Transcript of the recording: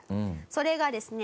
それがですね